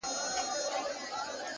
ما دي ویلي کله قبر نایاب راکه-